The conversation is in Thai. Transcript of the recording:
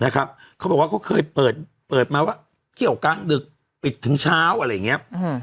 เขาบอกว่าเขาเคยเปิดมาว่าเกี่ยวกลางดึกปิดถึงเช้าอะไรอย่างนี้